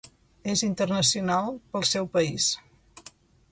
És internacional pel seu país.